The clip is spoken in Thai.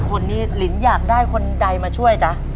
คนนี้ลินอยากได้คนใดมาช่วยจ๊ะ